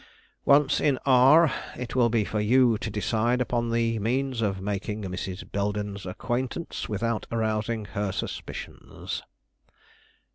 Once in R , it will be for you to decide upon the means of making Mrs. Belden's acquaintance without arousing her suspicions.